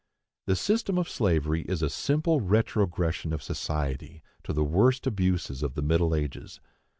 The system of slavery is a simple retrogression of society to the worst abuses of the middle ages.